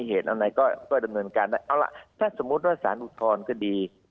เอาล่ะถ้าสมมุติว่าศาลอุทธรรมก็ดี